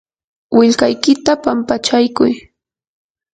willkaykita pampachaykuy.